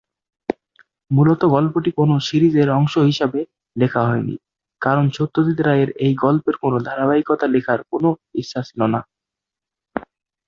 মূলত গল্পটি কোন সিরিজের অংশ হিসাবে লেখা হয়নি, কারণ সত্যজিৎ রায়ের এই গল্পের কোনো ধারাবাহিকতা লেখার কোনও ইচ্ছা ছিল না।